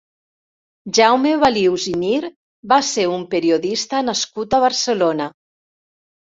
Jaume Balius i Mir va ser un periodista nascut a Barcelona.